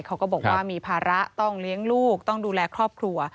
เขาก็บอกว่ามีภาระต้องเลี้ยงลูกต้องดูแลครอบครัว